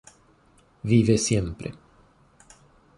Vive siempre...